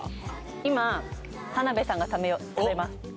今田辺さんが食べます